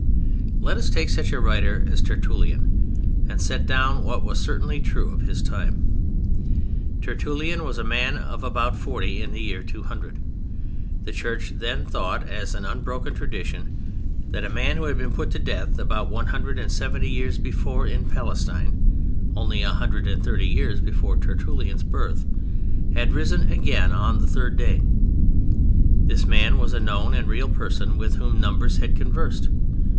Let us take such a writer as Tertullian and set down what was certainly true of his time. Tertullian was a man of about forty in the year 200. The Church then taught as an unbroken tradition that a Man who had been put to death about 170 years before in Palestine—only 130 years before Tertullian's birth—had risen again on the third day. This Man was a known and real person with whom numbers had conversed.